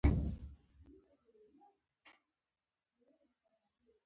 عدل او انصاف له ډېرو غوره ځانګړنو څخه ګڼل کیږي.